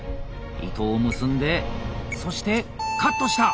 糸を結んでそしてカットした。